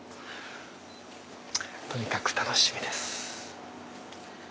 とにかく楽しみです。